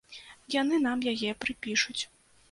Яны нам яе прыпішуць.